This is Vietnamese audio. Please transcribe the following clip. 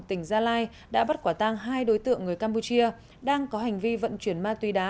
tỉnh gia lai đã bắt quả tang hai đối tượng người campuchia đang có hành vi vận chuyển ma túy đá